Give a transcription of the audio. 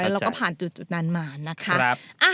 เราก็ผ่านจุดนั้นมานะคะ